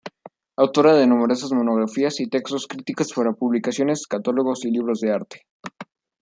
Autora de numerosas monografías y textos críticos para publicaciones, catálogos y libros de arte.